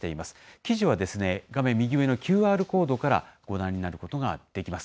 記事は画面右上のＱＲコードからご覧になることができます。